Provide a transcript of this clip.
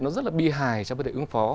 nó rất là bi hài cho vấn đề ứng phó